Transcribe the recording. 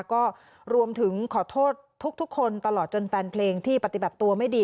ก็รวมถึงขอโทษทุกคนตลอดจนแฟนเพลงที่ปฏิบัติตัวไม่ดี